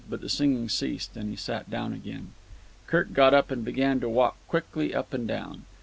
But the singing ceased, and he sat down again. Kirk got up and began to walk quickly up and down.